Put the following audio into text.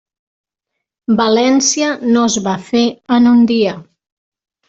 València no es va fer en un dia.